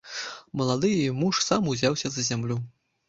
Малады яе муж сам узяўся за зямлю.